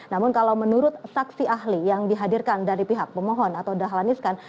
namun kalau menurut saksi ahli yang dihadirkan dari pihak pemohon atau dahlan iskan